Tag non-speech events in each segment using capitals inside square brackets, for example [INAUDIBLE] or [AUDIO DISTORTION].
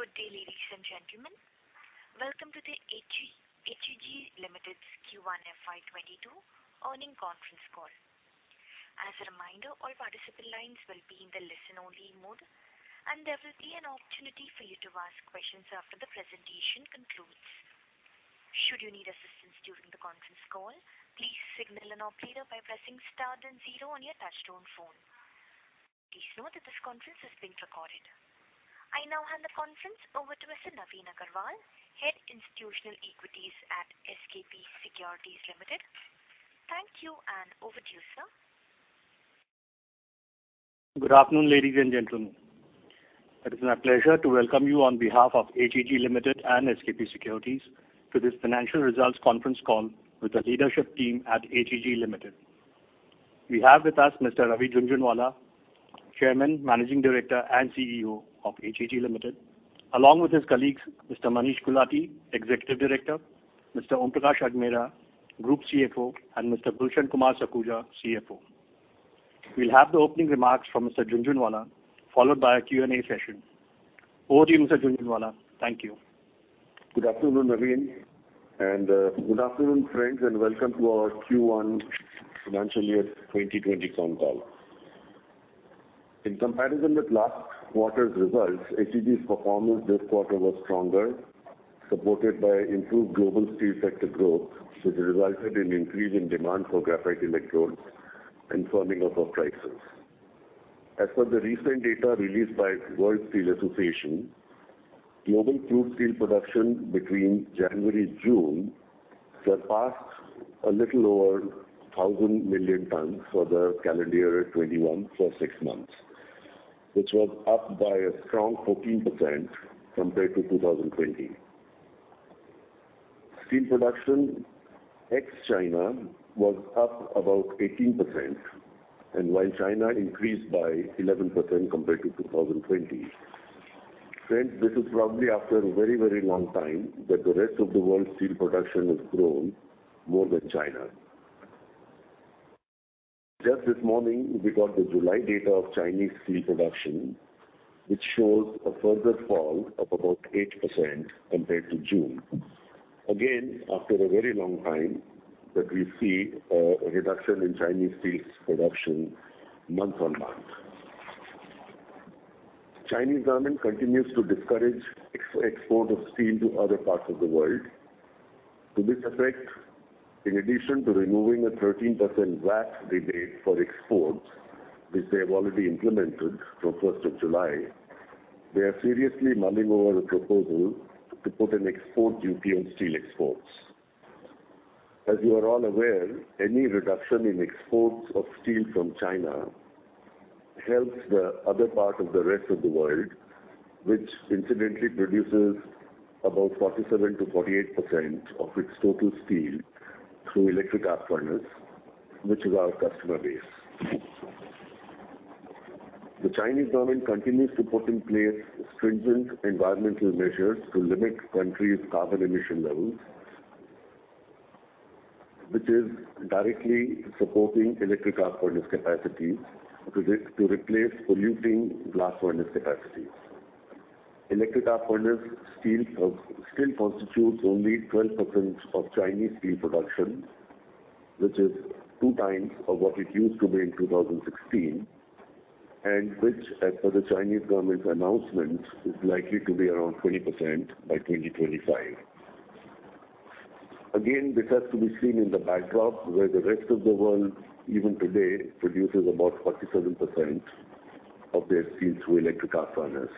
Good day, ladies and gentlemen. Welcome to the HEG Limited's Q1 FY2022 earnings conference call. As a reminder, all participant lines will be in the listen only mode, and there will be an opportunity for you to ask questions after the presentation concludes. Should you need assistance during the conference call, please signal an operator by pressing star then zero on your touchtone phone. Please note that this conference is being recorded. I now hand the conference over to Mr. Navin Agrawal, Head Institutional Equities at SKP Securities Limited. Thank you, over to you, sir. Good afternoon, ladies and gentlemen. It is my pleasure to welcome you on behalf of HEG Limited and SKP Securities to this financial results conference call with the leadership team at HEG Limited. We have with us Mr. Ravi Jhunjhunwala, Chairman, Managing Director, and CEO of HEG Limited, along with his colleagues, Mr. Manish Gulati, Executive Director, Mr. Om Prakash Ajmera, Group CFO, and Mr. Gulshan Kumar Sakhuja, CFO. We'll have the opening remarks from Mr. Jhunjhunwala, followed by a Q&A session. Over to you, Mr. Jhunjhunwala. Thank you. Good afternoon, Navin, and good afternoon, friends, and welcome to our Q1 financial year 2020 phone call. In comparison with last quarter's results, HEG's performance this quarter was stronger, supported by improved global steel sector growth, which resulted in increase in demand for graphite electrodes and firming up of prices. As per the recent data released by World Steel Association, global crude steel production between January-June surpassed a little over 1,000 million tons for the calendar year 2021 for six months, which was up by a strong 14% compared to 2020. Steel production ex-China was up about 18%, while China increased by 11% compared to 2020. Friends, this is probably after a very long time that the rest of the world's steel production has grown more than China. Just this morning, we got the July data of Chinese steel production, which shows a further fall of about 8% compared to June. Again, after a very long time that we see a reduction in Chinese steel production month-on-month. Chinese government continues to discourage export of steel to other parts of the world. To this effect, in addition to removing a 13% VAT rebate for exports, which they have already implemented from 1st of July, they are seriously mulling over a proposal to put an export duty on steel exports. As you are all aware, any reduction in exports of steel from China helps the other part of the rest of the world, which incidentally produces about 47%-48% of its total steel through electric arc furnace, which is our customer base. The Chinese government continues to put in place stringent environmental measures to limit the country's carbon emission levels, which is directly supporting electric arc furnace capacity to replace polluting blast furnace capacity. Electric arc furnace steel still constitutes only 12% of Chinese steel production, which is two times of what it used to be in 2016, and which, as per the Chinese government's announcement, is likely to be around 20% by 2025. Again, this has to be seen in the backdrop where the rest of the world, even today, produces about 47% of their steel through electric arc furnace.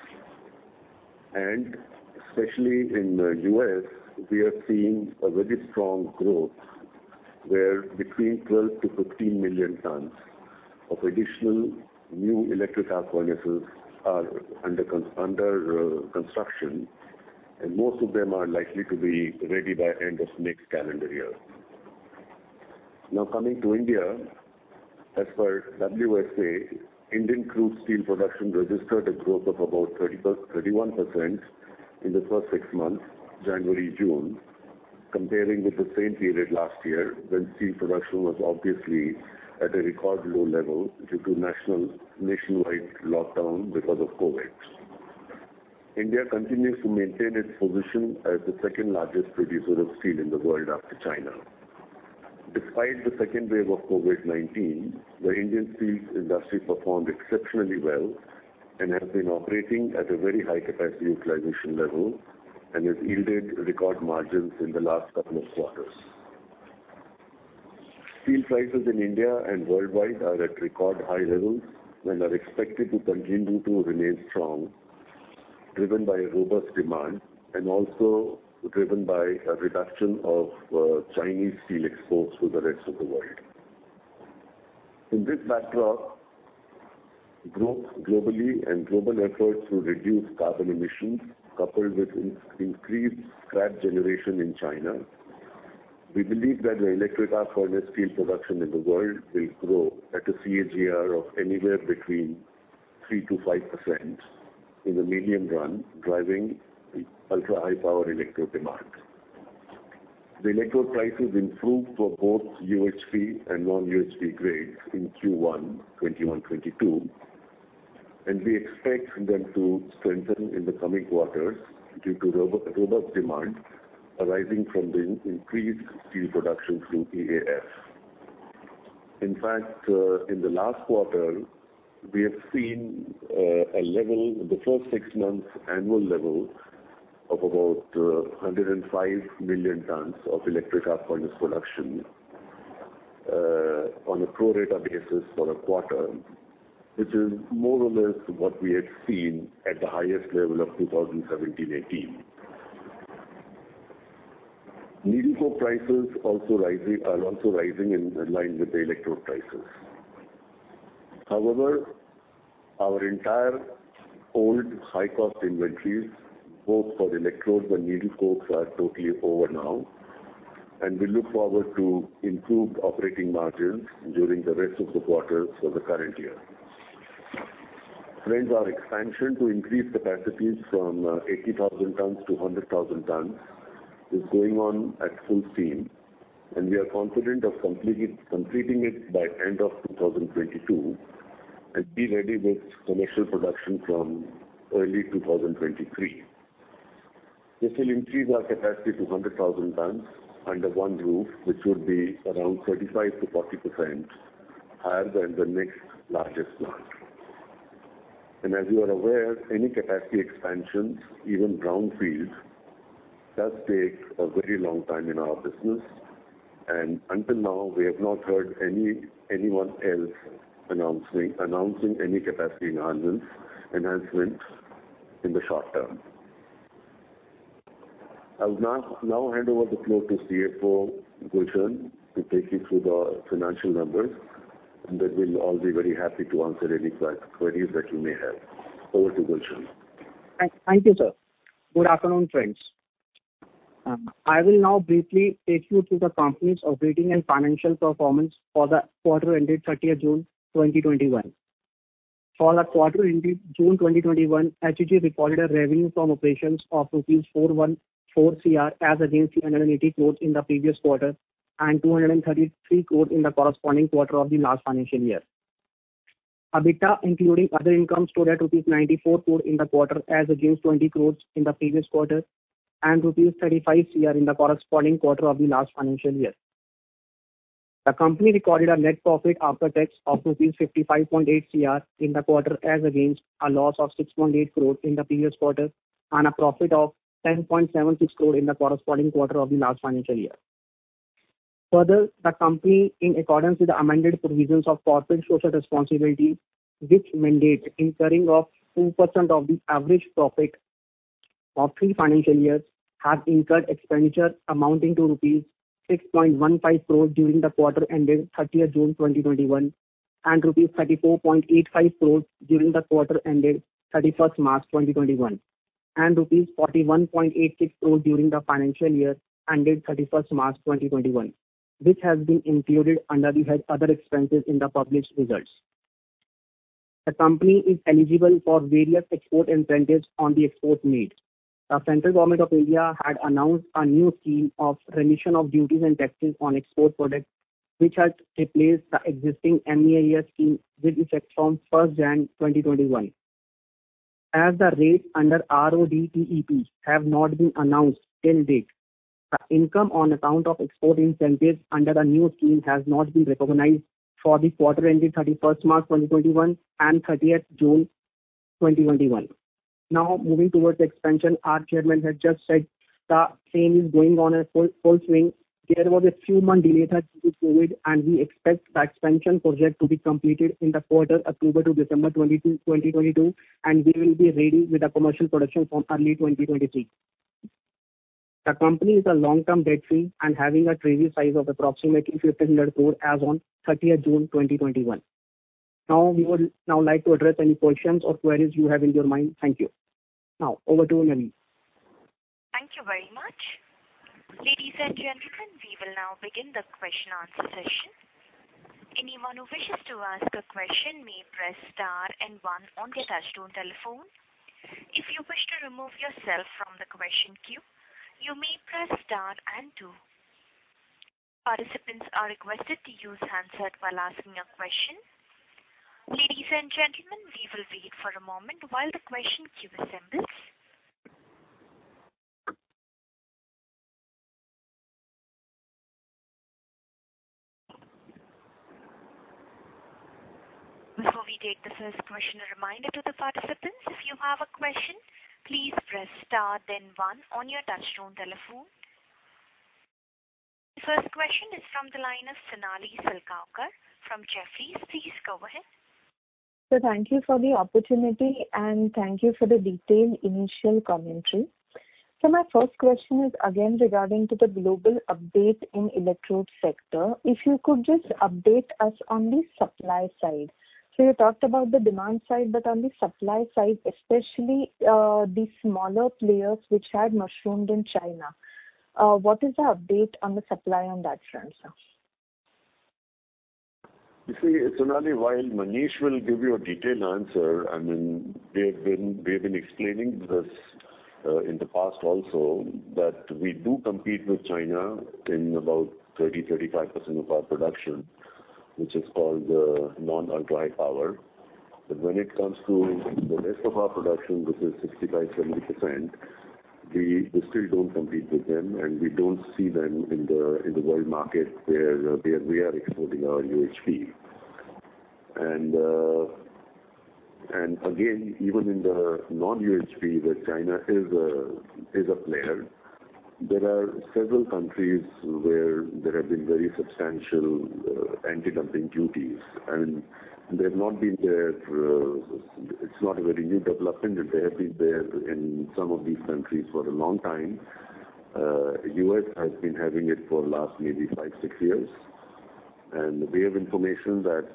Especially in the U.S., we are seeing a very strong growth where between 12 million-15 million tons of additional new electric arc furnaces are under construction, and most of them are likely to be ready by end of next calendar year. Now coming to India. As per WSA, Indian crude steel production registered a growth of about 31% in the first six months, January-June, comparing with the same period last year when steel production was obviously at a record low level due to nationwide lockdown because of COVID. India continues to maintain its position as the second-largest producer of steel in the world after China. Despite the second wave of COVID-19, the Indian steel industry performed exceptionally well and has been operating at a very high capacity utilization level and has yielded record margins in the last couple of quarters. Steel prices in India and worldwide are at record high levels and are expected to continue to remain strong, driven by robust demand and also driven by a reduction of Chinese steel exports to the rest of the world. In this backdrop, globally and global efforts to reduce carbon emissions coupled with increased scrap generation in China, we believe that the electric arc furnace steel production in the world will grow at a CAGR of anywhere between 3%-5% in the medium run, driving ultra-high power electric demand. The electrode prices improved for both UHP and non-UHP grades in Q1 2021/2022, and we expect them to strengthen in the coming quarters due to robust demand arising from the increased steel production through EAF. In fact, in the last quarter, we have seen the first six months annual level of about 105 million tons of electric arc furnace production on a pro rata basis for a quarter, which is more or less what we had seen at the highest level of 2017/2018. Needle coke prices are also rising in line with the electrode prices. However, our entire old high-cost inventories, both for electrodes and needle cokes, are totally over now, and we look forward to improved operating margins during the rest of the quarters for the current year. Friends, our expansion to increase capacities from 80,000 tons to 100,000 tons is going on at full steam, and we are confident of completing it by the end of 2022 and be ready with commercial production from early 2023. This will increase our capacity to 100,000 tons under one roof, which would be around 35%-40% higher than the next largest plant. As you are aware, any capacity expansions, even brownfields, does take a very long time in our business. Until now, we have not heard anyone else announcing any capacity enhancements in the short-term. I will now hand over the floor to CFO Gulshan to take you through the financial numbers, and then we'll all be very happy to answer any queries that you may have. Over to Gulshan. Thank you, sir. Good afternoon, friends. I will now briefly take you through the company's operating and financial performance for the quarter ended 30th June 2021. For the quarter ended June 2021, HEG recorded a revenue from operations of rupees 414 crore as against 380 crore in the previous quarter and 233 crore in the corresponding quarter of the last financial year. EBITDA, including other income, stood at rupees 94 crore in the quarter as against 20 crore in the previous quarter and rupees 35 crore in the corresponding quarter of the last financial year. The company recorded a net profit after tax of rupees 55.8 crore in the quarter, as against a loss of 6.8 crore in the previous quarter and a profit of 10.76 crore in the corresponding quarter of the last financial year. The company, in accordance with the amended provisions of corporate social responsibility, which mandate incurring of 2% of the average profit of three financial years, has incurred expenditure amounting to rupees 6.15 crores during the quarter ended 30th June 2021, and rupees 34.85 crores during the quarter ended 31st March 2021, and rupees 41.86 crores during the financial year ended 31st March 2021, which has been included under the head other expenses in the published results. The company is eligible for various export incentives on the exports made. The Central Government of India had announced a new scheme of Remission of Duties and Taxes on Export Products, which has replaced the existing MEIS scheme with effect from 1st January 2021. As the rates under RODTEP have not been announced till date, the income on account of export incentives under the new scheme has not been recognized for the quarter ended 31st March 2021 and 30th June 2021. Moving towards the expansion. Our Chairman had just said the same is going on at full swing. There was a few month delay due to COVID, and we expect the expansion project to be completed in the quarter October to December 2022, and we will be ready with the commercial production from early 2023. The company is a long-term debt-free and having a trading size of approximately 1,500 crore as on 30th June 2021. We would like to address any questions or queries you have in your mind. Thank you. Over to Navin. Thank you very much. Ladies and gentlemen, we will now begin the question and answer session. Anyone who wishes to ask a question may press star and onw on their touchtone telephone. If you wish to remove yourself from the question queue, you may press star and two. Participants are requested to use handset while asking a question. Ladies and gentlemen, we will wait for a moment while the question queue assembles. Before we take the first question, a reminder to the participants, if you have a question, please press star then 1 on your touchtone telephone. The first question is from the line of Sonali Salgaonkar from Jefferies. Please go ahead. Sir, thank you for the opportunity, and thank you for the detailed initial commentary. My first question is again regarding the global update in electrode sector. If you could just update us on the supply side. You talked about the demand side, but on the supply side, especially the smaller players which had mushroomed in China, what is the update on the supply on that front, sir? You see, Sonali, while Manish will give you a detailed answer, we have been explaining this in the past also, that we do compete with China in about 30%-35% of our production, which is called non-ultra-high power. When it comes to the rest of our production, which is 65%-70%, we still don't compete with them, and we don't see them in the world market where we are exporting our UHP. Again, even in the non-UHP where China is a player, there are several countries where there have been very substantial anti-dumping duties. It's not a very new development, they have been there in some of these countries for a long time. U.S. has been having it for the last maybe five, six years. We have information that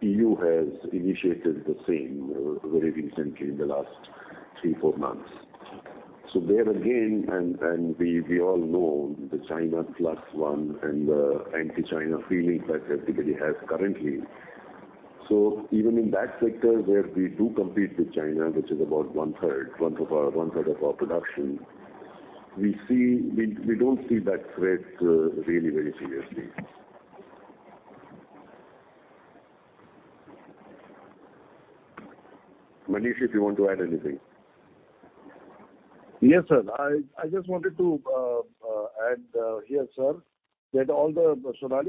EU has initiated the same very recently in the last three, four months. There again, we all know the China Plus One and the anti-China feeling that everybody has currently. Even in that sector where we do compete with China, which is about 1/3 of our production, we don't see that threat very seriously. Manish, if you want to add anything. Yes, sir. I just wanted to add here, Sonali,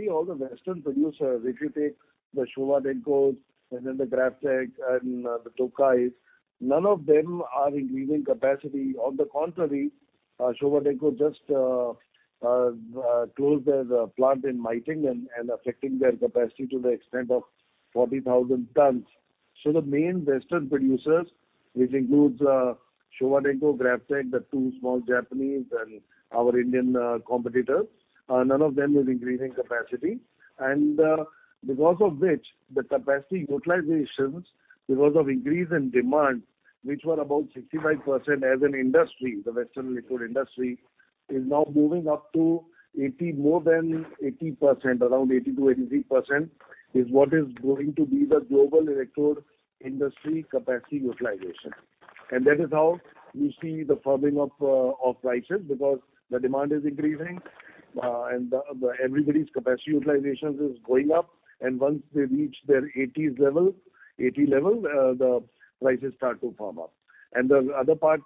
all the Western producers, if you take the Showa Denko and then the GrafTech and the Tokai Carbon, none of them are increasing capacity. On the contrary, Showa Denko just closed their plant in Meitingen and affecting their capacity to the extent of 40,000 tons. The main Western producers, which includes Showa Denko, GrafTech, the two small Japanese, and our Indian competitors, none of them is increasing capacity. Because of which, the capacity utilizations, because of increase in demand, which were about 65% as an industry, the western electrode industry, is now moving up to more than 80%. Around 80%-83% is what is going to be the global electrode industry capacity utilization. That is how you see the firming up of prices, because the demand is increasing, and everybody's capacity utilization is going up. Once they reach their 80% level, the prices start to firm up. The other part,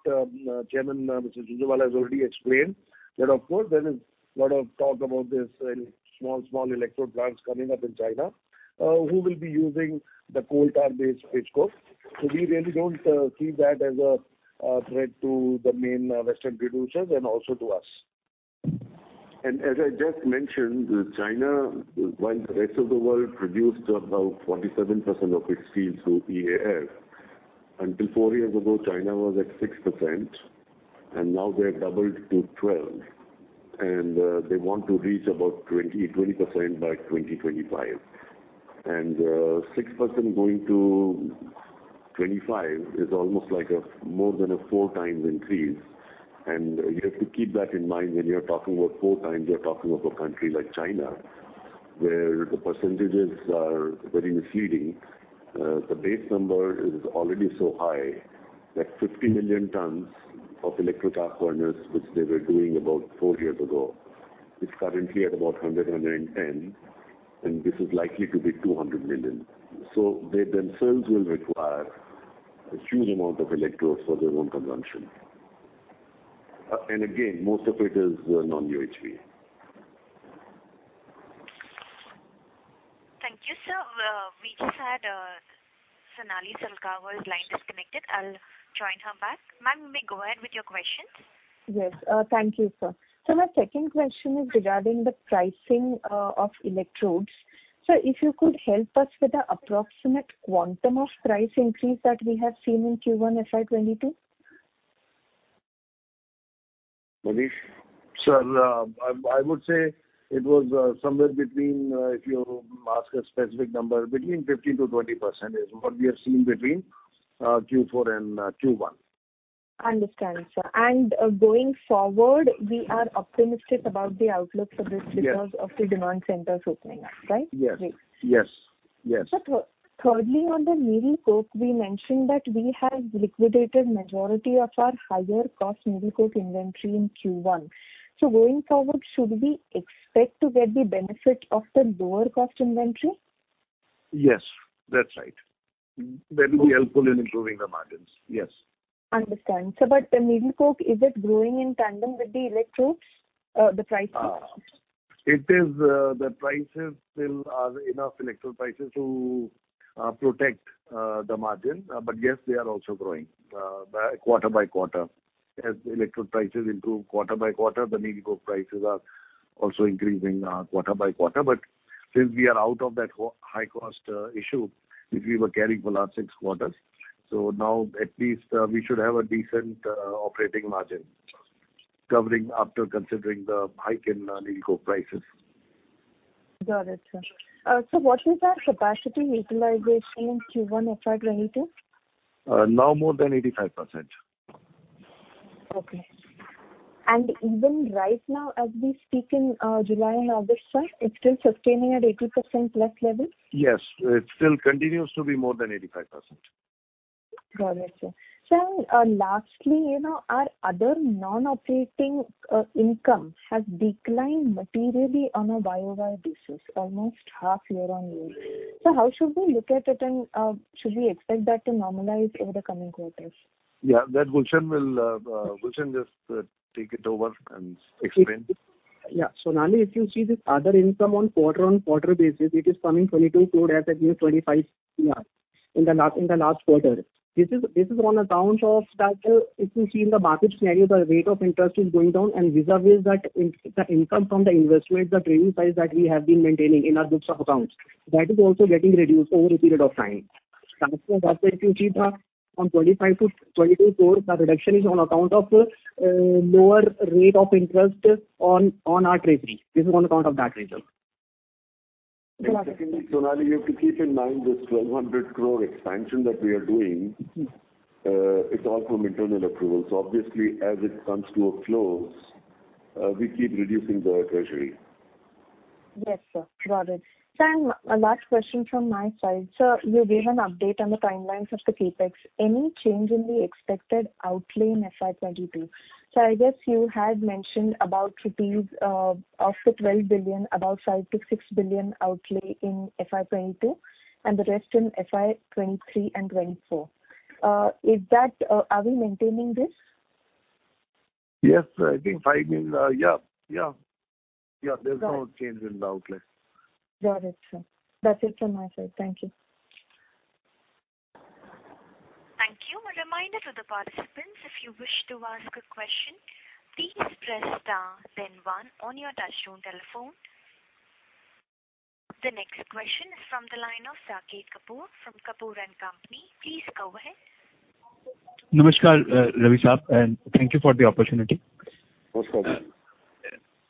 Chairman Mr. Jhunjhunwala has already explained that, of course, there is a lot of talk about these very small electrode plants coming up in China, who will be using the coal tar-based pitch needle coke. We really don't see that as a threat to the main Western producers and also to us. As I just mentioned, while the rest of the world produced about 27% of its steel through EAF, until four years ago, China was at 6%, and now they have doubled to 12%. They want to reach about 20% by 2025. 6% going to 25% is almost like more than a four times increase. You have to keep that in mind when you're talking about four times, you're talking of a country like China, where the percentages are very misleading. The base number is already so high, that 50 million tons of electric arc furnace, which they were doing about four years ago, is currently at about 100, 110, and this is likely to be 200 million. Again, most of it is non-UHP. Thank you, sir. We just had Sonali Salgaonkar, her line disconnected. I'll join her back. Ma'am, you may go ahead with your question. Yes. Thank you, sir. My second question is regarding the pricing of electrodes. Sir, if you could help us with the approximate quantum of price increase that we have seen in Q1 FY2022? Manish? Sir, I would say it was somewhere, if you ask a specific number, between 15%-20% is what we are seeing between Q4 and Q1. Understand, sir. Going forward, we are optimistic about the outlook for this. Yes Because of the demand centers opening up, right? Yes. Sir, thirdly, on the needle coke, we mentioned that we have liquidated majority of our higher cost needle coke inventory in Q1. Going forward, should we expect to get the benefit of the lower cost inventory? Yes, that's right. That will be helpful in improving the margins. Yes. Understand. Sir, the needle coke, is it growing in tandem with the electrodes, the prices? The prices still are enough electrode prices to protect the margin. Yes, they are also growing quarter by quarter. As electrode prices improve quarter by quarter, the needle coke prices are also increasing quarter by quarter. Since we are out of that high cost issue, which we were carrying for the last six quarters. Now at least we should have a decent operating margin after considering the hike in needle coke prices. Got it, sir. Sir, what is our capacity utilization in Q1 FY2022? Now more than 85%. Okay. Even right now, as we speak in July and August, sir, it's still sustaining at 80%+ level? Yes. It still continues to be more than 85%. Got it, sir. Sir, lastly, our other non-operating income has declined materially on a Y-O-Y basis, almost half year-on-year. Sir, how should we look at it, and should we expect that to normalize over the coming quarters? Yeah. Gulshan, just take it over and explain. Yeah. Sonali, if you see this other income on quarter-on-quarter basis, it is coming 22 crores as against 25 crores in the last quarter. This is on account of that, if you see in the market scenario, the rate of interest is going down and vis-à-vis that the income from the invest rates, the trading size that we have been maintaining in our books of accounts, that is also getting reduced over a period of time. That's where if you see the INR 25 crores to INR 22 crores, that reduction is on account of lower rate of interest on our treasury. This is on account of that reason. Secondly, Sonali, you have to keep in mind this 1,200 crore expansion that we are doing. It's all from internal approvals. Obviously, as it comes to a close, we keep reducing the treasury. Yes, sir. Got it. Sir, last question from my side. Sir, you gave an update on the timelines of the CapEx. Any change in the expected outlay in FY2022? Sir, I guess you had mentioned of the 12 billion, about 5 billion-6 billion outlay in FY2022, and the rest in FY2023 and FY2024. Are we maintaining this? Yes, I think 5 billion. Yeah. There is no change in the outlay. Got it, sir. That's it from my side. Thank you. Thank you. A reminder to the participants, if you wish to ask a question, please press star, then one on your touchtone telephone. The next question is from the line of Saket Kapoor from Kapoor & Company. Please go ahead. Namaskar, Ravi Sir, and thank you for the opportunity. Most welcome.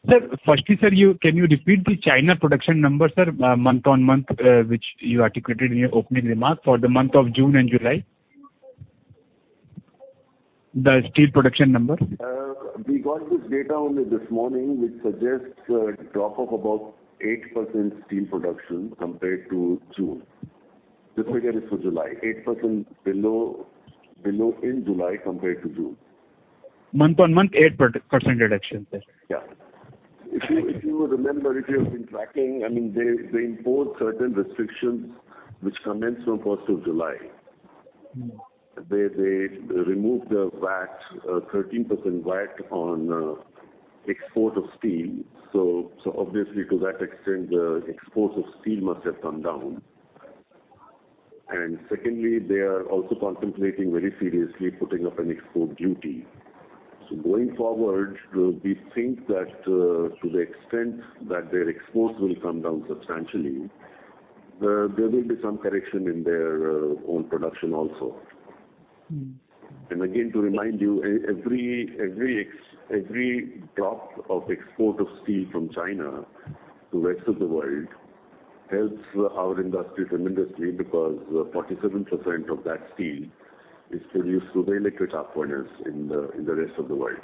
Sir, firstly, sir, can you repeat the China production number, sir, month-on-month, which you articulated in your opening remarks for the month of June and July? The steel production number. We got this data only this morning, which suggests a drop of about 8% steel production compared to June. This figure is for July, 8% below in July compared to June. Month-on-month, 8% reduction, sir. Yeah. If you remember, if you have been tracking, they imposed certain restrictions which commenced on the first of July, where they removed the 13% VAT on export of steel. Obviously to that extent, the exports of steel must have come down. Secondly, they are also contemplating very seriously putting up an export duty. Going forward, we think that to the extent that their exports will come down substantially, there will be some correction in their own production also. Again, to remind you, every drop of export of steel from China to the rest of the world helps our industry tremendously because 47% of that steel is produced through the electric arc furnace in the rest of the world.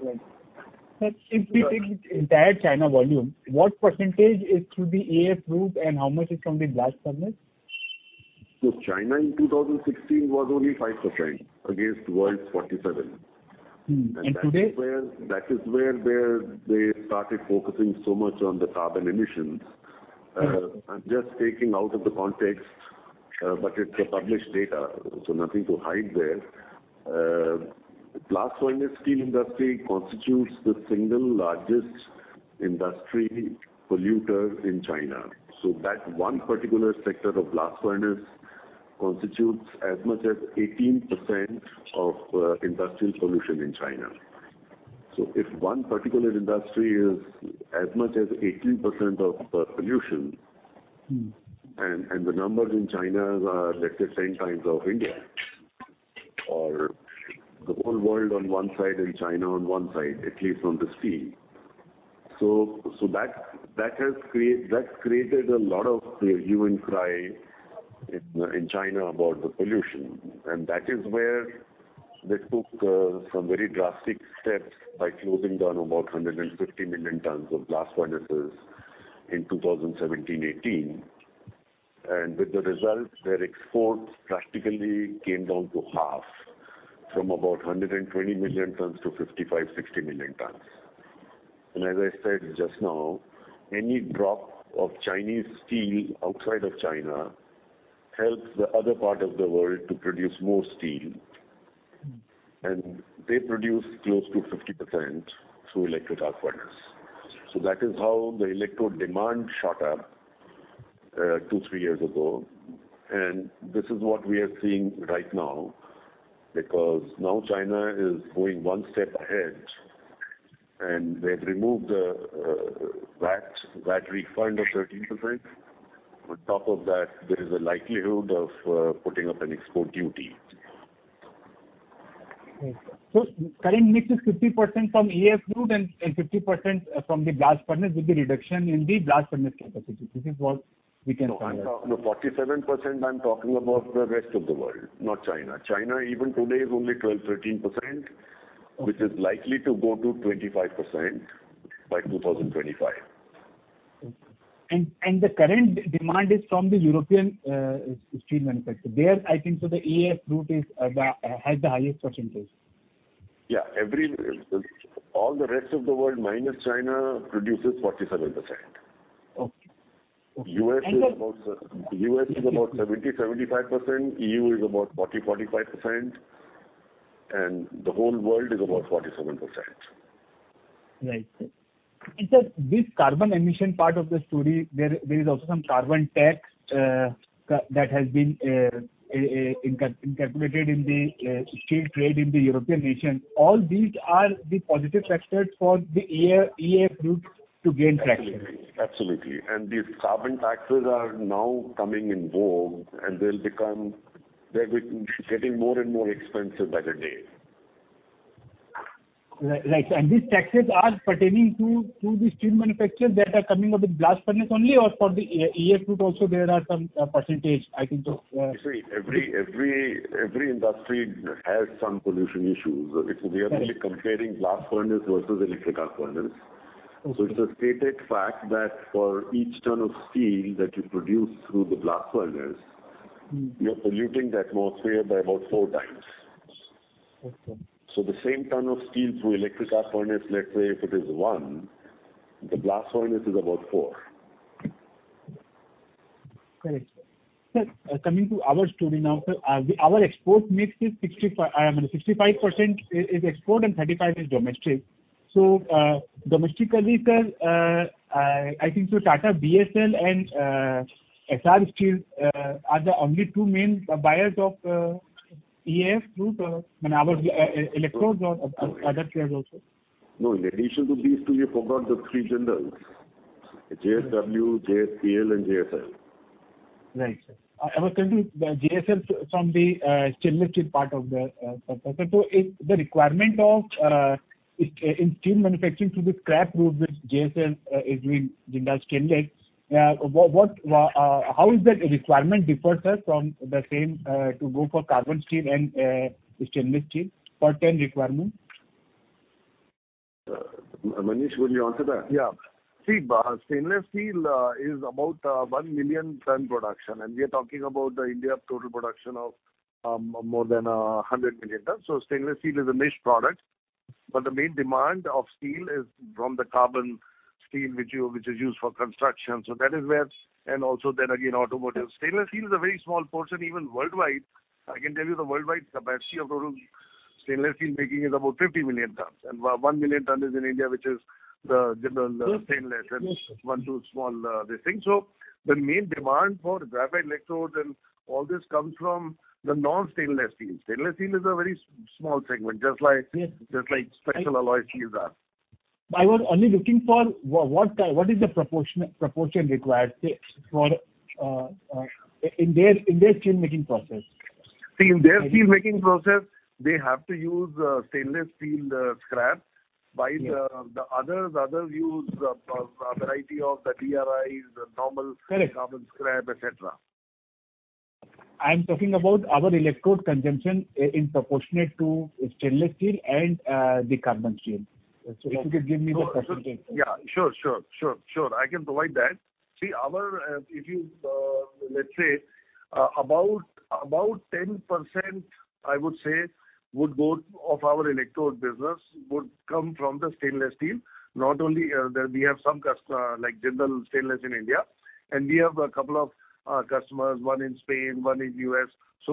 Right. Sir, if we take the entire China volume, what percentage is through the EAF route and how much is from the blast furnace? China in 2016 was only 5% against world's 47%. Today? That is where they started focusing so much on the carbon emissions. I'm just taking out of the context, but it's a published data, nothing to hide there. Blast furnace steel industry constitutes the single largest industry polluter in China. That one particular sector of blast furnace constitutes as much as 18% of industrial pollution in China. If one particular industry is as much as 18% of pollution, and the numbers in China are, let's say, 10 times of India, or the whole world on one side and China on one side, at least on the steel. That's created a lot of hue and cry in China about the pollution. That is where they took some very drastic steps by closing down about 150 million tons of blast furnaces in 2017/2018. With the result, their exports practically came down to half from about 120 million tons to 55 million-60 million tons. As I said just now, any drop of Chinese steel outside of China helps the other part of the world to produce more steel, and they produce close to 50% through electric arc furnace. That is how the electrode demand shot up two, three years ago. This is what we are seeing right now, because now China is going one step ahead and they've removed the VAT refund of 13%. On top of that, there is a likelihood of putting up an export duty. Mm-hmm. Current mix is 50% from EAF route and 50% from the blast furnace with the reduction in the blast furnace capacity. No, I'm talking the 47%, I'm talking about the rest of the world, not China. China even today is only 12%, 13%, which is likely to go to 25% by 2025. Okay. The current demand is from the European steel manufacturer. There, I think the EAF route has the highest percentage. Yeah. All the rest of the world minus China produces 47%. Okay. U.S. is about 70%-75%. EU is about 40%-45%. The whole world is about 47%. Right. Sir, this carbon emission part of the story, there is also some carbon tax that has been incorporated in the steel trade in the European nation. All these are the positive factors for the EAF route to gain traction. Absolutely. These carbon taxes are now coming in vogue and they're getting more and more expensive by the day. Right. These taxes are pertaining to the steel manufacturers that are coming out with blast furnace only or for the EAF route also there are some percentage? See, every industry has some pollution issues. We are only comparing blast furnace versus electric arc furnace. Okay. It's a stated fact that for each ton of steel that you produce through the blast furnace, you're polluting the atmosphere by about four times. Okay. The same ton of steel through electric arc furnace, let's say if it is one, the blast furnace is about four. Correct. Sir, coming to our story now, sir. Our export mix is 65% is export and 35% is domestic. Domestically, sir, I think so Tata Steel BSL and Essar Steel are the only two main buyers of EAF route, and our electrodes or other players also. No, in addition to these two, you forgot the three giants JSW, JSPL and JSL. Right. I was coming to the JSL from the stainless steel part of the process. Sir, the requirement of in steel manufacturing through the scrap route, which JSL is doing, Jindal Stainless, how is that requirement differs, sir, from the same to go for carbon steel and stainless steel per ton requirement? Manish, would you answer that? Yeah. See, stainless steel is about 1 million ton production, and we are talking about the India total production of more than 100 million tons. Stainless steel is a niche product, but the main demand of steel is from the carbon steel, which is used for construction, and also then again, automotive. Stainless steel is a very small portion even worldwide. I can tell you the worldwide capacity of total stainless steel making is about 50 million tons, and 1 million tons is in India, which is the stainless and one, two small this thing. The main demand for graphite electrodes and all this comes from the non-stainless steel. Stainless steel is a very small segment, just like special alloy steels are. I was only looking for what is the proportion required, say, in their steel making process. See, in their steelmaking process, they have to use stainless steel scrap, whilst the others use a variety of the DRI, the normal- Correct carbon scrap, et cetera. I'm talking about our electrode consumption in proportion to stainless steel and the carbon steel. If you could give me the percentage? Yeah, sure. I can provide that. Let's say, about 10%, I would say, of our electrode business would come from the stainless steel. We have some customer like Jindal Stainless in India, and we have a couple of customers, one in Spain, one in U.S.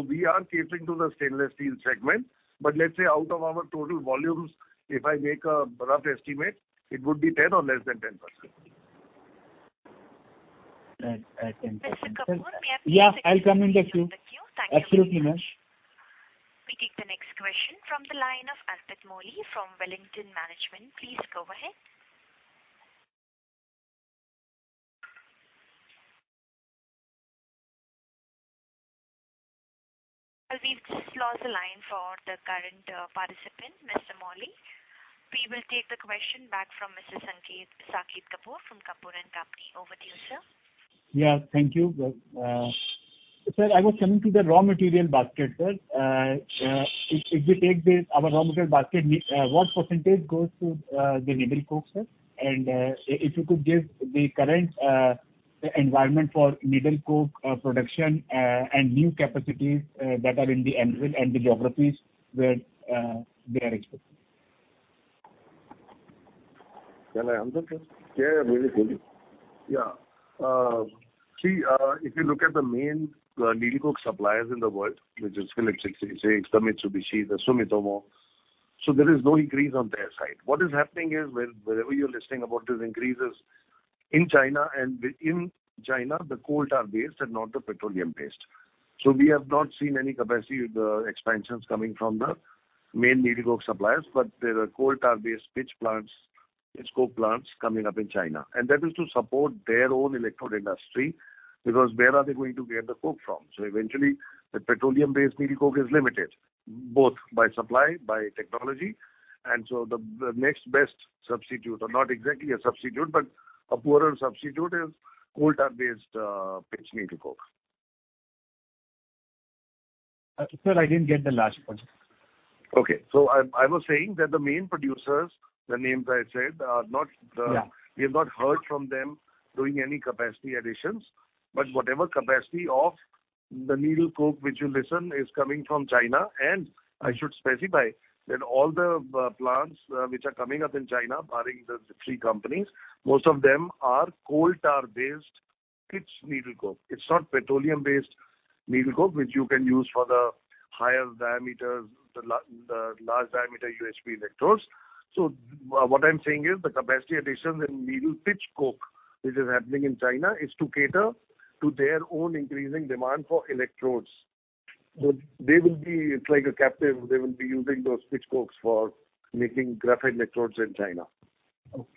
We are catering to the stainless steel segment. Let's say out of our total volumes, if I make a rough estimate, it would be 10% or less than 10%. At 10%. Mr. Kapoor- Yeah, I'll come in the queue. Thank you very much. We take the next question from the line of [Arvind Mani] from Wellington Management. Please go ahead. We have just lost the line for the current participant, Mr. [Mani]. We will take the question back from Mr. Saket Kapoor from Kapoor & Company. Over to you, sir. Yeah. Thank you. Sir, I was coming to the raw material basket, sir. If we take our raw material basket, what percent goes to the needle coke, sir? If you could give the current environment for needle coke production, and new capacities that are in the anvil and the geographies where they are expecting. Can I answer, sir? Yeah. Manish, tell him. Yeah. See, if you look at the main needle coke suppliers in the world, which is Phillips 66, the Mitsubishi, the Sumitomo. There is no increase on their side. What is happening is, wherever you're listening about this increase is in China, and within China, the coal tar-based and not the petroleum-based. We have not seen any capacity expansions coming from the main needle coke suppliers, but there are coal tar-based pitch plants pitch coke plants coming up in China, and that is to support their own electrode industry, because where are they going to get the coke from? Eventually, the petroleum-based needle coke is limited, both by supply, by technology, and so the next best substitute, or not exactly a substitute, but a poorer substitute is coal tar-based pitch needle coke. Sir, I didn't get the last part. Okay. I was saying that the main producers, the names I said, we have not heard from them doing any capacity additions. Whatever capacity of the needle coke which you listen is coming from China, and I should specify that all the plants which are coming up in China, barring the three companies, most of them are coal tar-based pitch needle coke. It's not petroleum-based needle coke, which you can use for the higher diameters, the large diameter UHP electrodes. What I'm saying is the capacity additions in needle pitch coke, which is happening in China, is to cater to their own increasing demand for electrodes. It's like a captive. They will be using those pitch cokes for making graphite electrodes in China. Okay.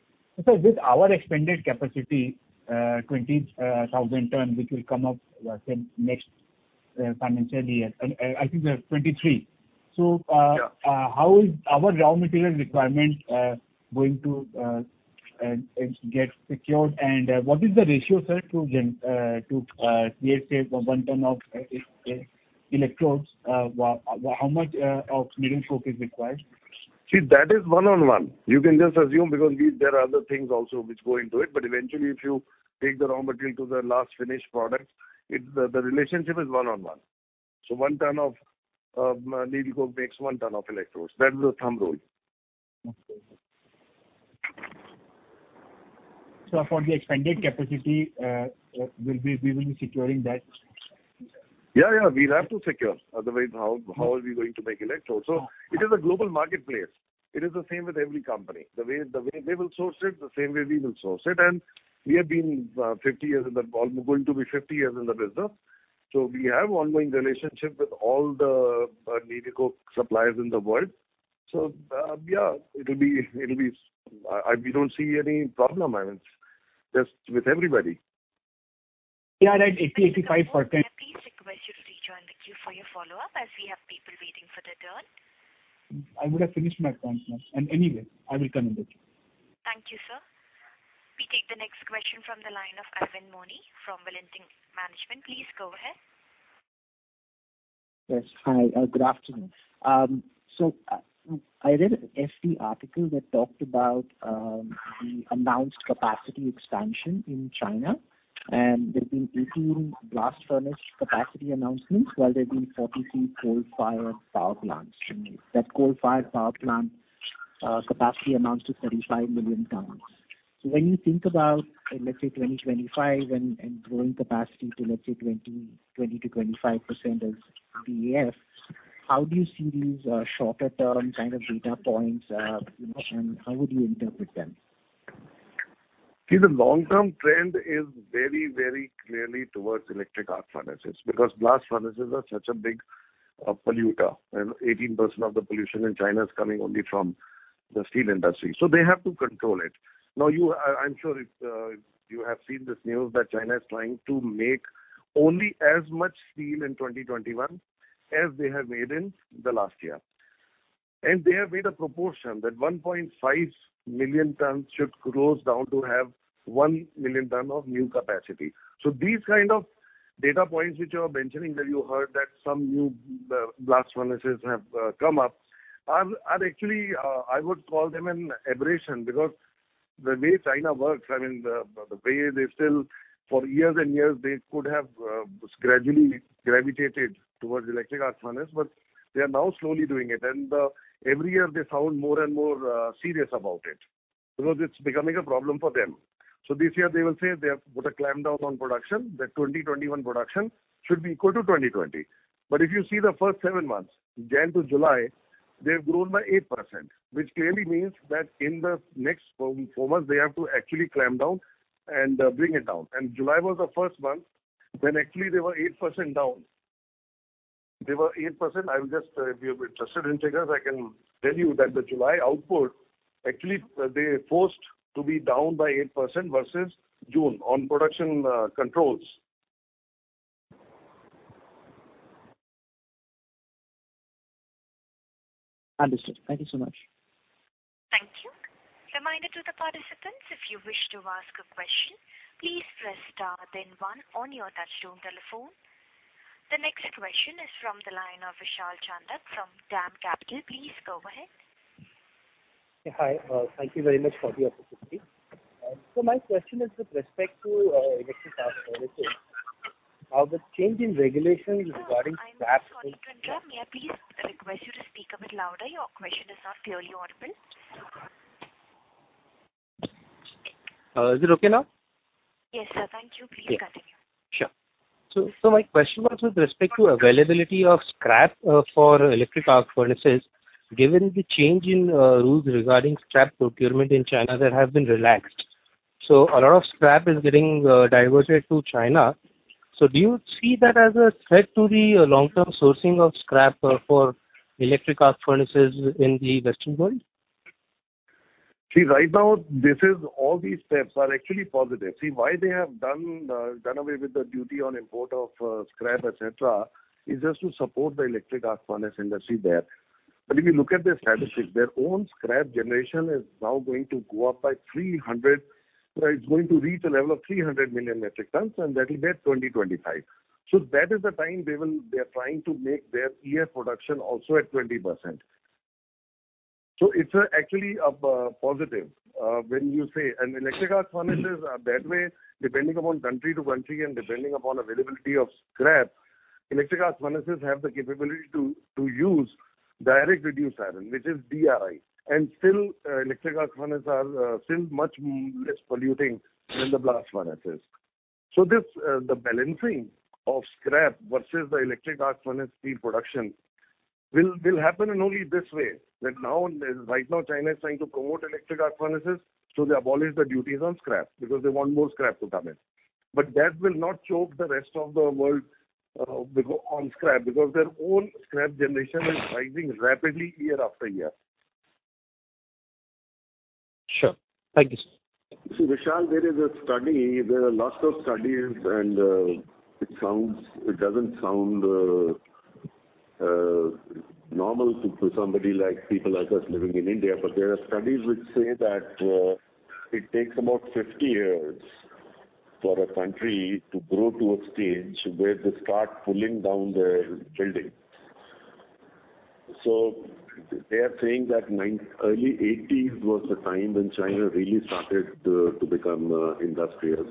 Sir, with our expanded capacity, 20,000 tons, which will come up next financial year, I think the 2023. Yeah How is our raw material requirement going to get secured, and what is the ratio, sir, to create, say, 1 ton of electrodes, how much of needle coke is required? That is one on one. You can just assume because there are other things also which go into it, but eventually, if you take the raw material to the last finished product, the relationship is one on one. 1 ton of needle coke makes one ton of electrodes. That is the thumb rule. Okay. For the expanded capacity, we will be securing that? Yeah. We'll have to secure. Otherwise, how are we going to make electrodes? It is a global marketplace. It is the same with every company. The way they will source it, the same way we will source it. We are going to be 50 years in the business. We have ongoing relationship with all the needle coke suppliers in the world. Yeah, we don't see any problem. I mean, just with everybody. Yeah, like 80%, 85%. May I please request you to rejoin the queue for your follow-up, as we have people waiting for their turn. I would have finished my points now. Anyway, I will come in the queue. Thank you, sir. We take the next question from the line of [Arvind Mani] from Wellington Management. Please go ahead. Yes. Hi. Good afternoon. I read an SD article that talked about the announced capacity expansion in China, and there's been 18 blast furnace capacity announcements while there's been 43 coal-fired power plants. That coal-fired power plant capacity amounts to 35 million tons. When you think about, let's say 2025 and growing capacity to, let's say, 20%-25% as EAF, how do you see these shorter term kind of data points, and how would you interpret them? The long-term trend is very clearly towards electric arc furnaces, because blast furnaces are such a big polluter, 18% of the pollution in China is coming only from the steel industry. They have to control it. I'm sure you have seen this news that China is trying to make only as much steel in 2021 as they have made in the last year. They have made a proportion that 1.5 million tons should close down to have 1 million ton of new capacity. These kind of data points which you are mentioning, that you heard that some new blast furnaces have come up, are actually, I would call them an aberration because the way China works, I mean, the way they still, for years and years, they could have gradually gravitated towards electric arc furnace, but they are now slowly doing it. Every year they sound more and more serious about it, because it's becoming a problem for them. This year they will say they have put a clampdown on production, that 2021 production should be equal to 2020. If you see the first seven months, January to July, they've grown by 8%, which clearly means that in the next four months, they have to actually clamp down and bring it down. July was the first month when actually they were 8% down. If you're interested in figures, I can tell you that the July output, actually, they forced to be down by 8% versus June on production controls. Understood. Thank you so much. Thank you. Reminder to the participants, if you wish to ask a question, please press star then one on your touchtone telephone. The next question is from the line of Vishal Chandak from DAM Capital. Please go ahead. Hi. Thank you very much for the opportunity. My question is with respect to electric arc furnaces. How the change in regulations regarding scrap- Sir, I'm really sorry to interrupt. May I please request you to speak a bit louder? Your question is not clearly audible. Is it okay now? Yes, sir. Thank you. Please continue. Sure. My question was with respect to availability of scrap for electric arc furnaces, given the change in rules regarding scrap procurement in China that have been relaxed.nA lot of scrap is getting diverted to China. Do you see that as a threat to the long-term sourcing of scrap for electric arc furnaces in the Western world? Right now, all these steps are actually positive. Why they have done away with the duty on import of scrap, et cetera, is just to support the electric arc furnace industry there. If you look at their statistics, their own scrap generation is now going to go up by 300. It's going to reach a level of 300 million metric tons, and that will be at 2025. That is the time they are trying to make their year production also at 20%. It's actually a positive when you say. Electric arc furnaces are that way, depending upon country to country and depending upon availability of scrap, electric arc furnaces have the capability to use direct reduced iron, which is DRI. Still, electric arc furnaces are still much less polluting than the blast furnaces. The balancing of scrap versus the electric arc furnace steel production will happen in only this way, that right now China is trying to promote electric arc furnaces, so they abolish the duties on scrap because they want more scrap to come in. That will not choke the rest of the world on scrap, because their own scrap generation is rising rapidly year-after-year. Sure. Thank you, sir. See, Vishal, there are lots of studies, and it doesn't sound normal to people like us living in India, but there are studies which say that it takes about 50 years for a country to grow to a stage where they start pulling down their buildings. They are saying that early 1980s was the time when China really started to become industrious,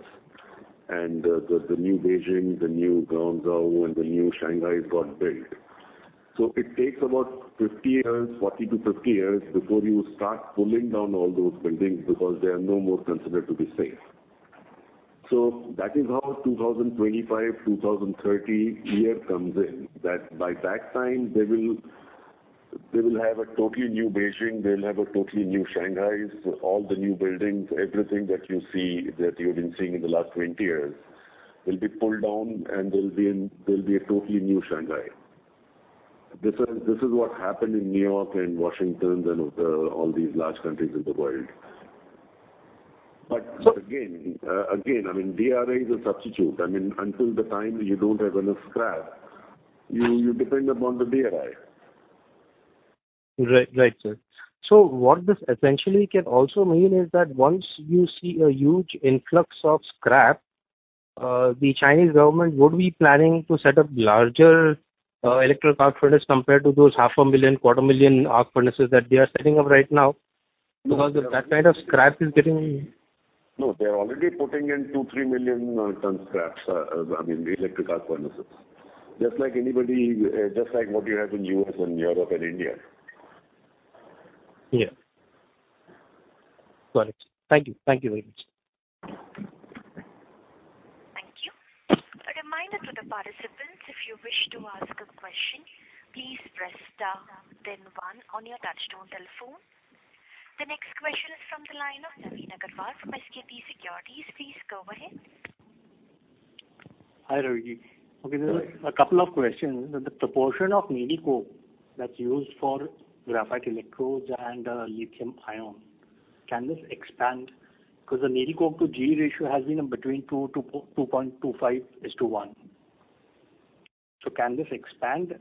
and the new Beijing, the new Guangzhou, and the new Shanghais got built. It takes about 40-50 years before you start pulling down all those buildings because they are no more considered to be safe. That is how 2025, 2030 year comes in, that by that time they will have a totally new Beijing, they'll have a totally new Shanghai. All the new buildings, everything that you've been seeing in the last 20 years will be pulled down, and there'll be a totally new Shanghai. This is what happened in New York and Washington and all these large countries in the world. Again, DRI is a substitute. Until the time you don't have enough scrap, you depend upon the DRI. Right, sir. What this essentially can also mean is that once you see a huge influx of scrap, the Chinese government would be planning to set up larger electric arc furnace compared to those half a million, quarter million arc furnaces that they are setting up right now. Because that kind of scrap is getting. No, they are already putting in 2, 3 million ton scraps, I mean, electric arc furnaces. Just like what you have in U.S. and Europe and India. Yeah. Got it. Thank you. Thank you very much. Thank you. A reminder to the participants, if you wish to ask a question, please press star then one on your touchtone telephone. The next question is from the line of Navin Agrawal from SKP Securities. Please go ahead. Hi, Ravi. Hello. Okay, there are a couple of questions. The proportion of needle coke that's used for graphite electrodes and lithium-ion, can this expand? Because the needle coke to GE ratio has been between 2.25:1. Can this expand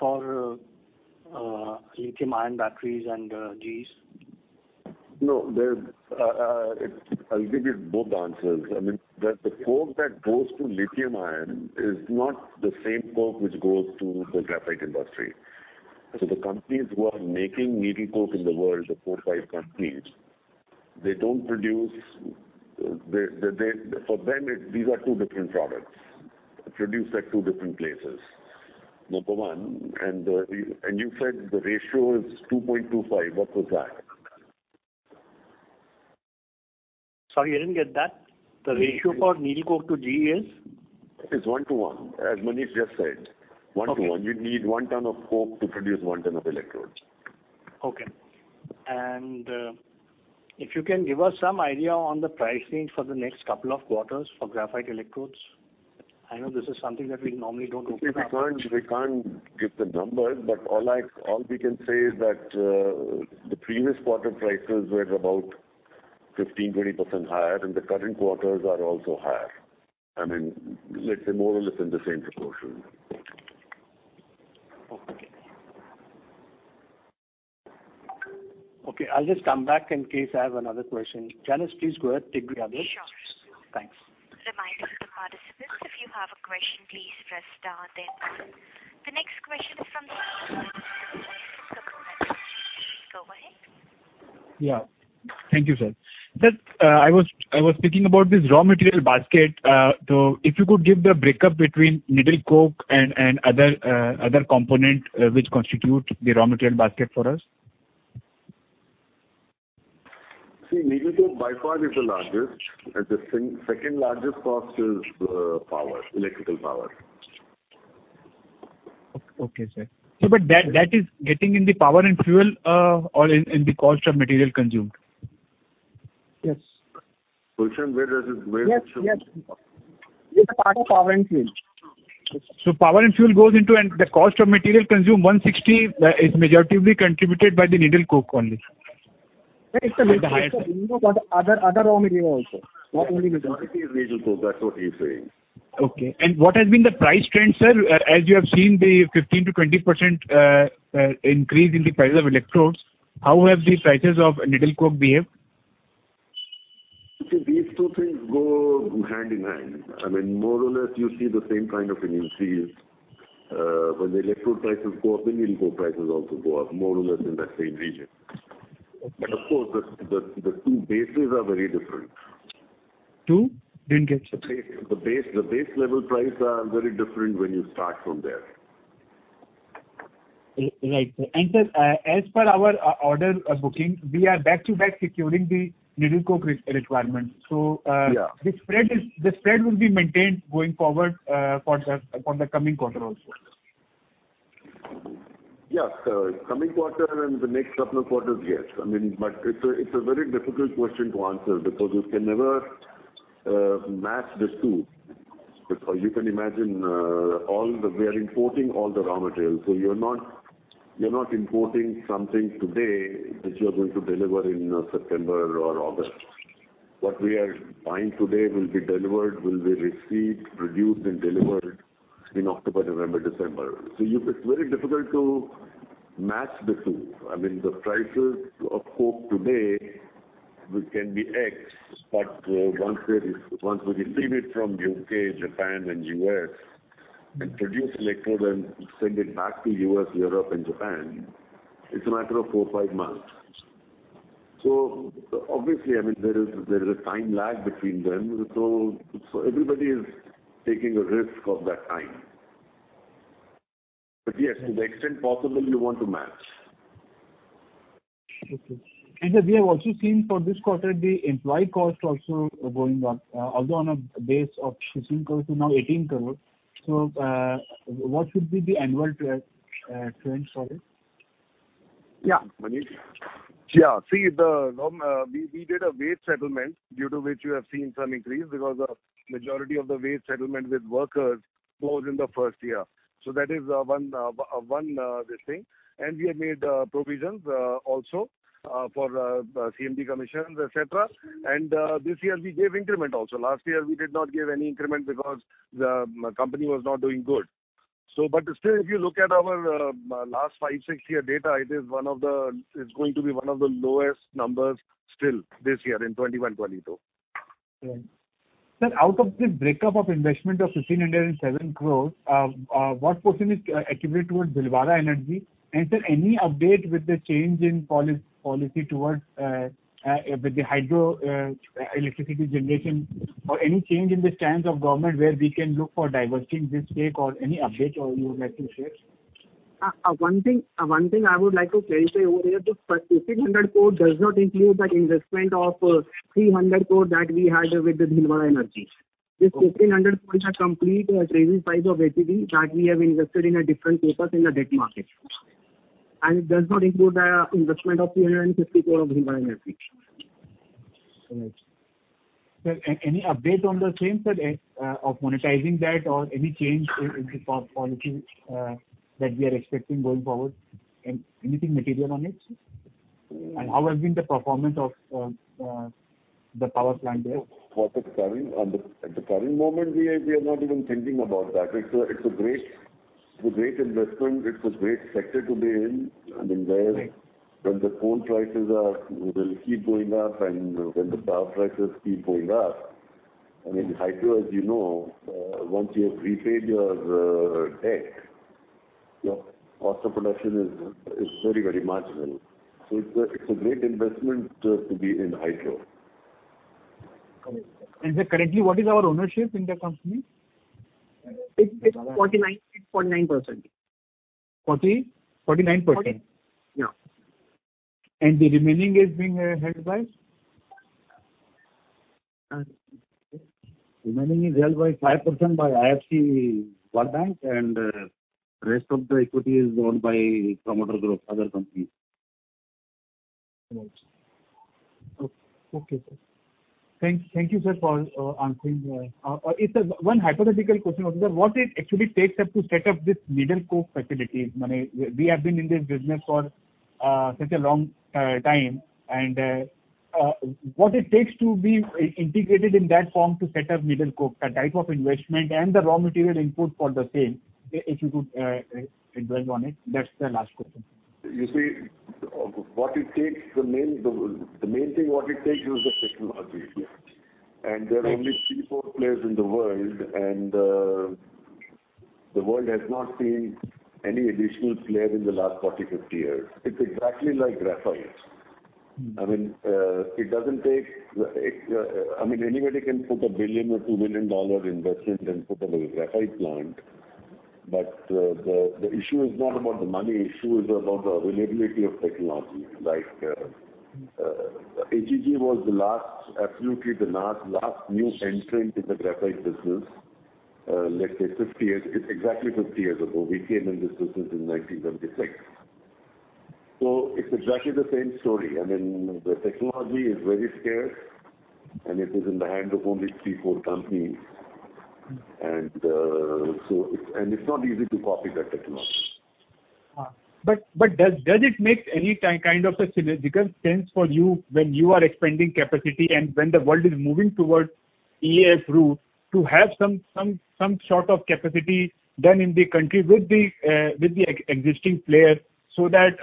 for lithium-ion batteries and GEs? No. I'll give you both answers. I mean, the coke that goes to lithium-ion is not the same coke which goes to the graphite industry. The companies who are making needle coke in the world, the four or five companies, for them, these are two different products, produced at two different places. Number one. You said the ratio is 2.25. What was that? Sorry, I didn't get that. The ratio for needle coke to GE is? It's 1:1, as Manish just said. 1:1. Okay. You need one ton of coke to produce one ton of electrodes. Okay. If you can give us some idea on the pricing for the next couple of quarters for graphite electrodes. I know this is something that we normally don't discuss. Okay. We can't give the numbers, but all we can say is that the previous quarter prices were about 15%-20% higher, and the current quarters are also higher. I mean, let's say more or less in the same proportion. Okay. Okay, I'll just come back in case I have another question. Janice, please go ahead, take the other. Sure. Thanks. Reminder to participants, if you have a question, please press star then one. The next question is from the line of [AUDIO DISTORTION] Go ahead. Yeah. Thank you, sir. Sir, I was thinking about this raw material basket. If you could give the breakup between needle coke and other component which constitute the raw material basket for us. Needle coke by far is the largest, and the second largest cost is electrical power. Okay, sir. That is getting in the power and fuel or in the cost of material consumed? Yes. Gulshan, where does? Yes. It's part of power and fuel. Power and fuel goes into, and the cost of material consumed, 160 is majority contributed by the needle coke only. No, it's the other raw material also. Not only needle coke. Quality is needle coke. That's what he's saying. Okay. What has been the price trend, sir? As you have seen the 15%-20% increase in the price of electrodes, how have the prices of needle coke behaved? See, these two things go hand in hand. More or less, you see the same kind of an increase. When the electrode prices go up, the needle coke prices also go up, more or less in that same region. Of course, the two bases are very different. Two? Didn't get you. The base level prices are very different when you start from there. Right, sir. Sir, as per our order booking, we are back to back securing the needle coke requirements. Yeah. The spread will be maintained going forward for the coming quarter also. Yes. Coming quarter and the next couple of quarters, yes. It's a very difficult question to answer because you can never match the two. You can imagine we are importing all the raw materials. You're not importing something today that you are going to deliver in September or August. What we are buying today will be received, produced and delivered in October, November, December. It's very difficult to match the two. The prices of coke today can be X, but once we receive it from U.K., Japan, and U.S. and produce electrode and send it back to U.S., Europe, and Japan, it's a matter of four, five months. Obviously, there is a time lag between them. Everybody is taking a risk of that time. Yes, to the extent possible, you want to match. Okay. Sir, we have also seen for this quarter, the employee cost also going up, although on a base of 15 crore to now 18 crore. What should be the annual trend for it? Yeah. Manish? We did a wage settlement due to which you have seen some increase because a majority of the wage settlement with workers falls in the first year. That is one thing. We have made provisions also for CMD commissions, et cetera. This year we gave increment also. Last year, we did not give any increment because the company was not doing good. Still, if you look at our last five, six year data, it's going to be one of the lowest numbers still this year in 2021/2022. Right. Sir, out of this breakup of investment of 1,507 crores, what portion is attributed towards Bhilwara Energy? Sir, any update with the change in policy with the hydroelectricity generation or any change in the stance of government where we can look for divesting this stake or any update or you would like to share? One thing I would like to clearly say over here, the 1,500 crore does not include that investment of 300 crore that we had with the Bhilwara Energy. This 1,500 crore is a complete raising size of HEG that we have invested in a different papers in the debt market. It does not include the investment of 350 crore of Bhilwara Energy. All right. Sir, any update on the same, sir, of monetizing that or any change in the policy that we are expecting going forward? Anything material on it? How has been the performance of the power plant there? At the current moment, we are not even thinking about that. It's a great investment. It's a great sector to be in. When the coal prices will keep going up and when the power prices keep going up, and in hydro, as you know, once you have repaid your debt, your cost of production is very marginal. It's a great investment to be in hydro. Sir, currently, what is our ownership in that company? It's 49%. 49%? Yeah. The remaining is being held by? Remaining is held by 5% by International Finance Corporation, and rest of the equity is owned by promoter group, other companies. Right. Okay, sir. Thank you, sir, for answering. One hypothetical question. What it actually takes up to set up this needle coke facility? We have been in this business for such a long time, and what it takes to be integrated in that form to set up needle coke, the type of investment, and the raw material input for the same? If you could dwell on it, that's the last question. You see, the main thing what it takes is the technology. There are only three, four players in the world, and the world has not seen any additional player in the last 40, 50 years. It's exactly like graphite. Anybody can put 1 billion or $2 million investment and put up a graphite plant. The issue is not about the money. Issue is about the availability of technology. HEG was absolutely the last new entrant in the graphite business, let's say 50 years. It's exactly 50 years ago. We came in this business in 1976. It's exactly the same story. I mean, the technology is very scarce, and it is in the hands of only three, four companies. It's not easy to copy that technology. Does it make any kind of a significant sense for you when you are expanding capacity and when the world is moving towards EAF route to have some sort of capacity then in the country with the existing player, so that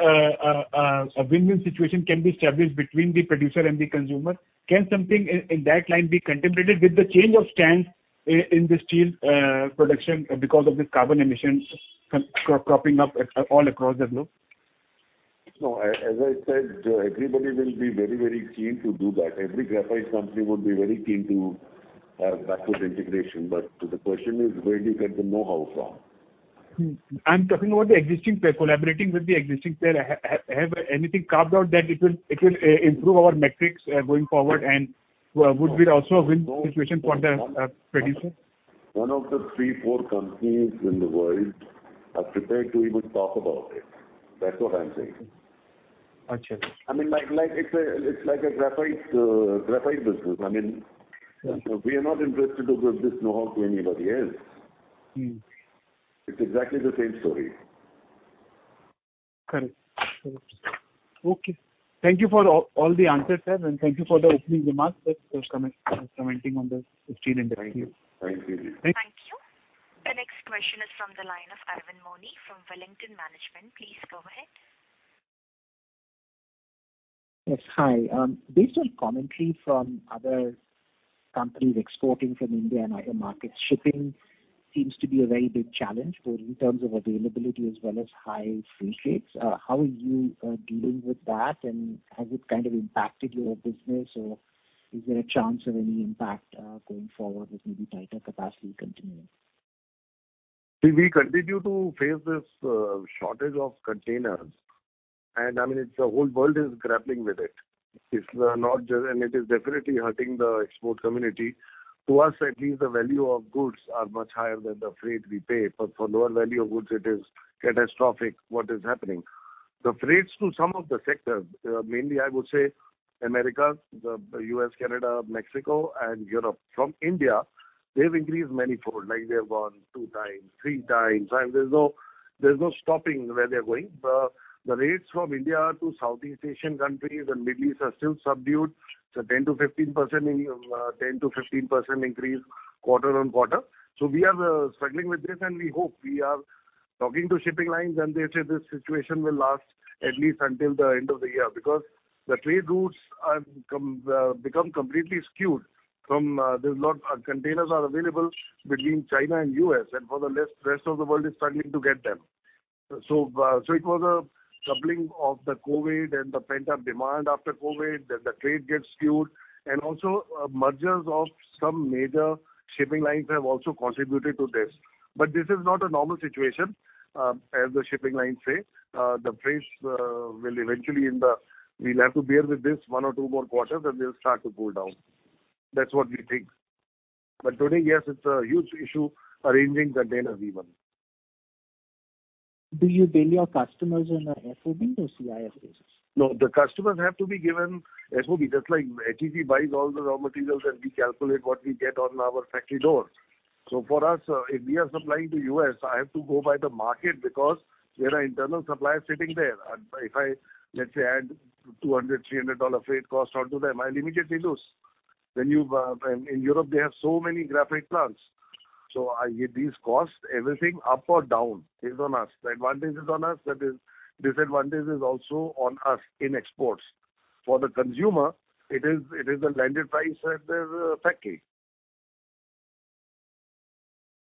a win-win situation can be established between the producer and the consumer. Can something in that line be contemplated with the change of stance in the steel production because of this carbon emissions cropping up all across the globe? No. As I said, everybody will be very keen to do that. Every graphite company would be very keen to have backward integration. The question is: where do you get the knowhow from? I'm talking about the existing player, collaborating with the existing player. Have anything carved out that it will improve our metrics going forward, and would be also a win situation for the producer? One of the three, four companies in the world are prepared to even talk about it. That's what I'm saying. Okay. It's like a graphite business. I mean, we are not interested to give this knowhow to anybody else. It's exactly the same story. Correct. Okay. Thank you for all the answers, sir, and thank you for the opening remarks just commenting on the steel industry. Thank you. Thank you. The next question is from the line of [Arvind Mani] from Wellington Management. Please go ahead. Yes, hi. Based on commentary from other companies exporting from India and other markets, shipping seems to be a very big challenge for you in terms of availability as well as high freight rates. How are you dealing with that, and has it kind of impacted your business, or is there a chance of any impact going forward with maybe tighter capacity continuing? See, we continue to face this shortage of containers, I mean, the whole world is grappling with it. It is definitely hurting the export community. To us, at least the value of goods are much higher than the freight we pay. For lower value of goods, it is catastrophic what is happening. The freights to some of the sectors, mainly I would say Americas, the U.S., Canada, Mexico, and Europe, from India, they've increased manifold. Like they have gone two times, three times, there's no stopping where they're going. The rates from India to Southeast Asian countries and Middle East are still subdued. It's a 10%-15% increase quarter-on-quarter. We are struggling with this, we hope. We are talking to shipping lines. They say this situation will last at least until the end of the year, because the trade routes have become completely skewed. There's lot of containers are available between China and U.S., and rest of the world is struggling to get them. It was a coupling of the COVID and the pent-up demand after COVID, that the trade gets skewed. Also, mergers of some major shipping lines have also contributed to this. This is not a normal situation. As the shipping lines say, the freights will eventually. We'll have to bear with this one or two more quarters, they'll start to cool down. That's what we think. Today, yes, it's a huge issue arranging containers even. Do you bill your customers on a FOB or CIF basis? No, the customers have to be given FOB. Just like HEG buys all the raw materials, we calculate what we get on our factory doors. For us, if we are supplying to U.S., I have to go by the market because there are internal suppliers sitting there. If I, let's say, add $200, $300 freight cost onto them, I'll immediately lose. In Europe, they have so many graphite plants. These costs, everything up or down is on us. The advantage is on us. The disadvantage is also on us in exports. For the consumer, it is the landed price at their factory.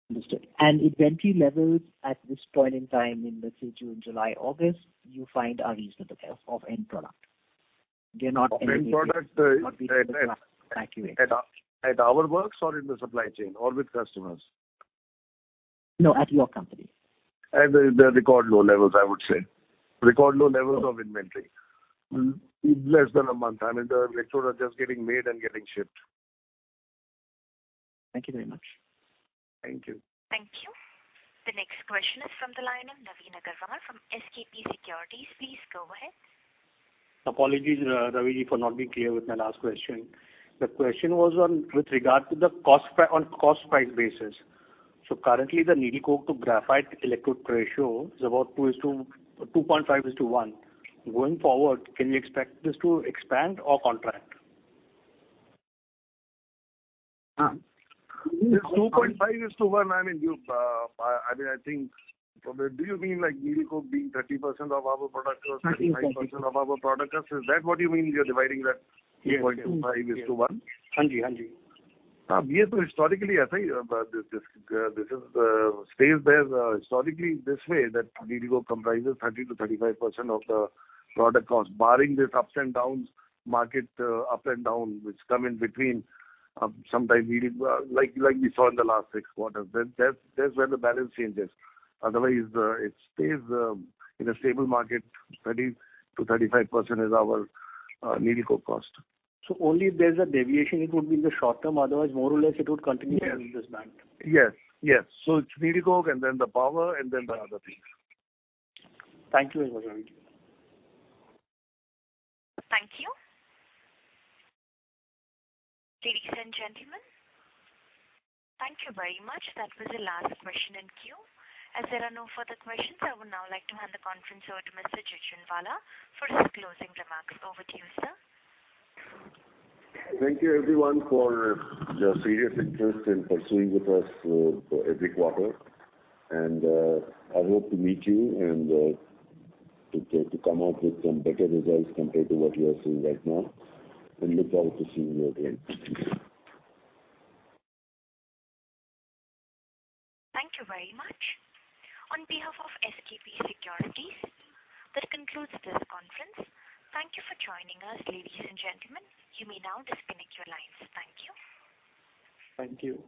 Understood. Inventory levels at this point in time in, let's say, June, July, August, you find are reasonable of end product? Of end product. Not being evacuated. At our works or in the supply chain or with customers? No, at your company. At the record low levels, I would say. Record low levels of inventory. Less than a month. I mean, the electrodes are just getting made and getting shipped. Thank you very much. Thank you. Thank you. The next question is from the line of Navin Agrawal from SKP Securities. Please go ahead. Apologies, Raviji, for not being clear with my last question. The question was on with regard to the cost price basis. Currently, the needle coke to graphite electrode ratio is about 2.5:1. Going forward, can we expect this to expand or contract? This 2.5:1, I mean, I think, do you mean like needle coke being 30% of our product cost? 30% 35% of our product cost. Is that what you mean you're dividing that 2.5:1? Yes. Historically, this stays there historically this way, that needle coke comprises 30% to 35% of the product cost. Barring this ups and downs, market up and down, which come in between, like we saw in the last six quarters. That's when the balance changes. Otherwise, it stays in a stable market, 30% to 35% is our needle coke cost. Only if there's a deviation, it would be in the short-term. Otherwise, more or less it would continue along this line. Yes. It's needle coke, and then the power, and then the other things. Thank you very much, Raviji. Thank you. Ladies and gentlemen, thank you very much. That was the last question in queue. As there are no further questions, I would now like to hand the conference over to Mr. Ravi Jhunjhunwala for his closing remarks. Over to you, sir. Thank you everyone for your serious interest in pursuing with us every quarter. I hope to meet you and to come out with some better results compared to what you are seeing right now, and look forward to seeing you again. Thank you very much. On behalf of SKP Securities, this concludes this conference. Thank you for joining us, ladies and gentlemen. You may now disconnect your lines. Thank you. Thank you.